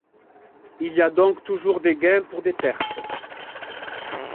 Il y a donc toujours des gains pour des pertes.